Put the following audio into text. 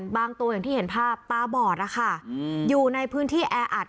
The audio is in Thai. บางตัวอย่างที่เห็นภาพตาบอดนะคะอยู่ในพื้นที่แออัด